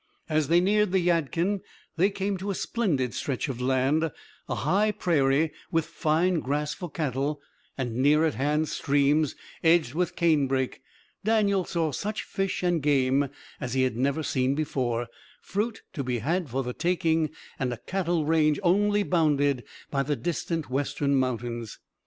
As they neared the Yadkin they came to a splendid stretch of land; a high prairie, with fine grass for cattle, and near at hand streams edged with cane brake. Daniel saw such fish and game as he had never seen before, fruit to be had for the taking, and a cattle range only bounded by the distant western mountains.